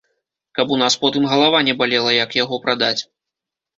Каб у нас потым галава не балела, як яго прадаць.